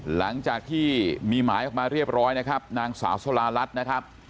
หลังจากที่มีหมายออกมาเรียบร้อยนะครับนางสาวสลารัสนะครับ